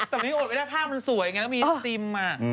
ตั้งนี้โอดไว้ได้ภาพมันสวยแล้วก็มีซีมมา